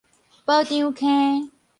保長坑